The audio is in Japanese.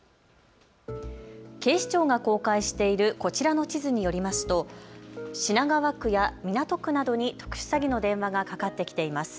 警視庁が公開しているこちらの地図によりますと品川区や港区などに特殊詐欺の電話がかかってきています。